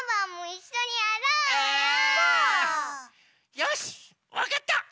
よしわかった！